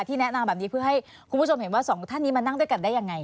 แนะนำแบบนี้เพื่อให้คุณผู้ชมเห็นว่าสองท่านนี้มานั่งด้วยกันได้ยังไง